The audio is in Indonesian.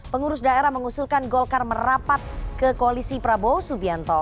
pengurus daerah mengusulkan golkar merapat ke koalisi prabowo subianto